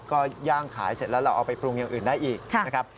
ก็ย่างขายเสร็จแล้วเราเอาไปปรุงอย่างอื่นได้อีกนะครับ